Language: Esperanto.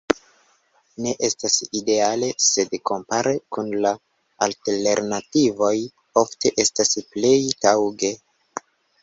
Ne estas ideale, sed kompare kun la alternativoj ofte estas plej taŭge.